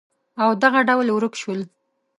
او دغه ډول ورک شول